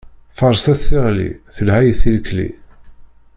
Faṛset tiɣli, telha i tilkli.